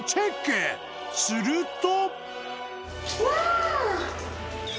［すると］